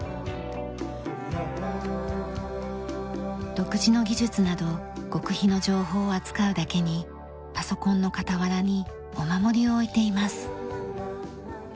独自の技術など極秘の情報を扱うだけにパソコンの傍らにお守りを置いています。